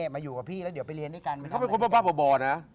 มาอยู่กับพี่แล้วเดี๋ยวไปเรียนด้วยกันเหมือนเขาเป็นคนบ้าบ่อนะ